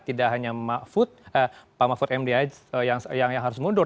tidak hanya pak makfud mdi yang harus mundur